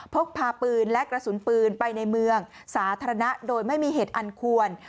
พกพาปืนและกระสุนปืนไปในเมืองสาธารณะโดยไม่มีเหตุอันควร